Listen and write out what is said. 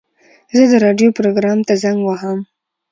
زه د راډیو پروګرام ته زنګ وهم.